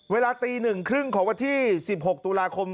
เวลาตี๑๓๐ของวันที่๑๖ตุลาคม